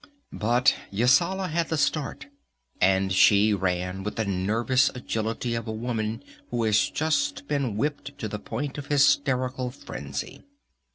But Yasala had the start, and she ran with the nervous agility of a woman who has just been whipped to the point of hysterical frenzy.